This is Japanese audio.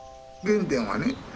原点はね